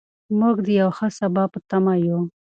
موږ د یو ښه سبا په تمه یو.